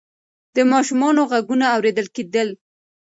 د ماشومانو غږونه اورېدل کېدل.